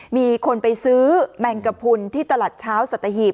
มีคนไปซื้อแมงกระพุนที่ตลาดเช้าสัตหีบ